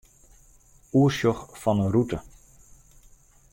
Oersjoch fan 'e rûte.